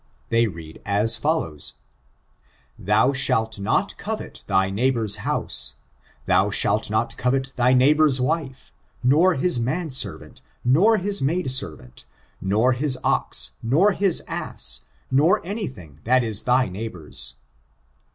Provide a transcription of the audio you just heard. They read as follows: '*Thou shalt not covet thy neighbor*s house ; thou shalt not covet thy neighbor's wife, nor his man servant, nor his maid servant, nor bis I I ' 518 8TRICTURS3 ox, nor his ass, nor any thing that is thy neighbor's."